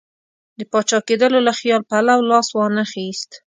د پاچا کېدلو له خیال پلو لاس وانه خیست.